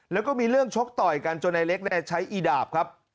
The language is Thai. แล้วก็มีเรื่องชกต่อยกันจนนายเล็กใช้อีดาบครับ